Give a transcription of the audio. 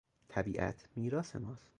طبیعت میراث ماست.